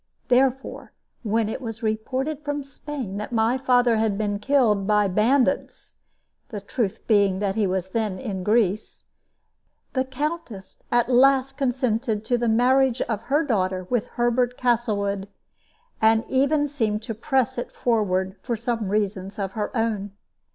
Therefore, when it was reported from Spain that my father had been killed by bandits the truth being that he was then in Greece the Countess at last consented to the marriage of her daughter with Herbert Castlewood, and even seemed to press it forward for some reasons of her own.